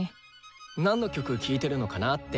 なんの曲聴いてるのかなって。